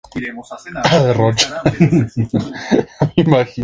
Se desconoce la fecha de su muerte.